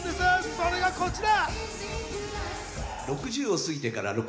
それがこちら！